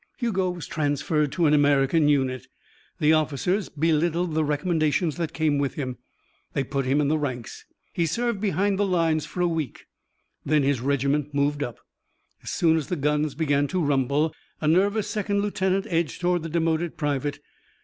Hugo was transferred to an American unit. The officers belittled the recommendations that came with him. They put him in the ranks. He served behind the lines for a week. Then his regiment moved up. As soon as the guns began to rumble, a nervous second lieutenant edged toward the demoted private.